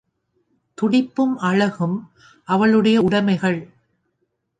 துடிப்பும் அழகும் அவளுடைய உடைமைகள்.